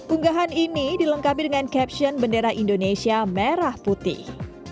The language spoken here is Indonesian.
unggahan ini dilengkapi dengan caption bendera indonesia merah putih